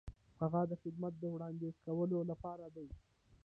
هغه د خدماتو د وړاندې کولو لپاره دی.